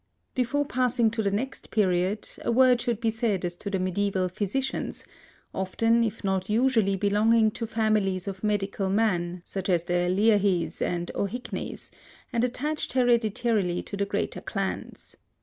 Before passing to the next period, a word should be said as to the medieval physicians, often if not usually belonging to families of medical men, such as the Leahys and O'Hickeys, and attached hereditarily to the greater clans.